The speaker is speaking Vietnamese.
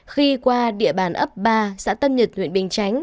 khi qua địa bàn ấp ba xã tân nhật huyện bình chánh